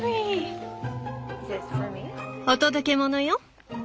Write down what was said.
お届け物よ。